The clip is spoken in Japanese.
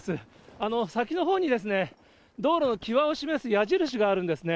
あの先のほうに、道路の際を示す矢印があるんですね。